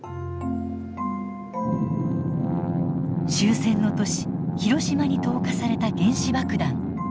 終戦の年広島に投下された原子爆弾。